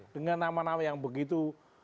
dengan nama nama yang begitu